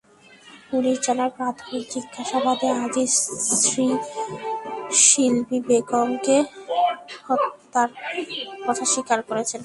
Police জানায়, প্রাথমিক জিজ্ঞাসাবাদে আজিজ স্ত্রী শিল্পী বেগমকে হত্যার কথা স্বীকার করেছেন।